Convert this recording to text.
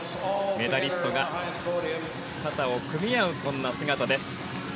メダリストが肩を組み合う姿です。